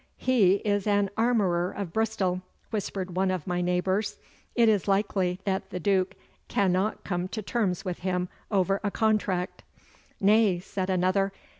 'He is an armourer of Bristol,' whispered one of my neighbours. 'It is likely that the Duke cannot come to terms with him over a contract.' 'Nay,' said another.